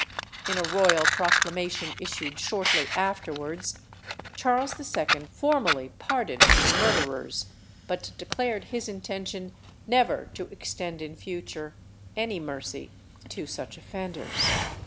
In a royal proclamation issued shortly afterwards, Charles II. formally pardoned the murderers, but declared his intention never to extend in future any mercy to such offenders.